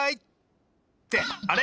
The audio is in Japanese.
ってあれ？